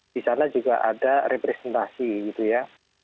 di sana juga ada representasi gitu ya